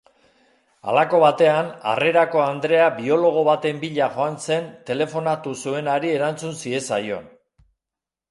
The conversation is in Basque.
Halako batean harrerako andrea biologo baten bila joan zen telefonatu zuenari erantzun ziezaion.